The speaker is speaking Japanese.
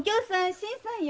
新さんよ。